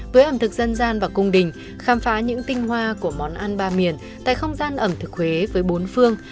với ẩm thực dân gian và cung đình khám phá những tinh hoa của món ăn ba miền tại không gian ẩm thực huế với bốn phương